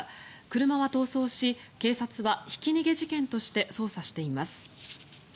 車は逃走し、警察はひき逃げ事件として捜査しています。